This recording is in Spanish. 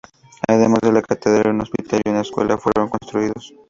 Además de la catedral, un hospital y una escuela fueron construidos.